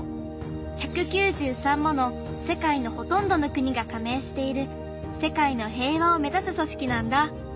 １９３もの世界のほとんどの国がかめいしている世界の平和を目指すそしきなんだ。